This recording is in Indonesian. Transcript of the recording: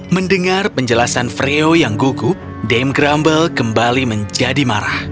mendengar penjelasan freo yang gugup dame grumble kembali menjadi marah